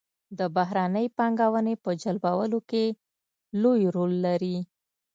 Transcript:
د بهرنۍ پانګونې په جلبولو کې لوی رول لري.